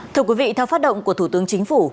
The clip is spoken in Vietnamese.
thưa quý vị theo phát động của thủ tướng chính phủ